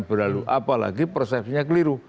berlalu apalagi persepsinya keliru